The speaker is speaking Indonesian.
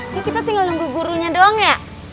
ini kita tinggal nunggu gurunya doang ya